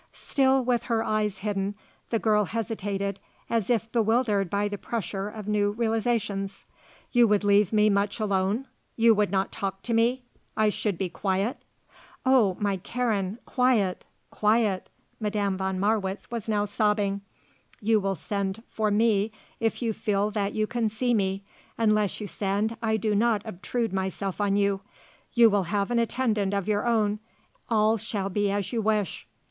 Still with her eyes hidden the girl hesitated as if bewildered by the pressure of new realisations. "You would leave me much alone? You would not talk to me? I should be quiet?" "Oh, my Karen quiet quiet " Madame von Marwitz was now sobbing. "You will send for me if you feel that you can see me; unless you send I do not obtrude myself on you. You will have an attendant of your own. All shall be as you wish."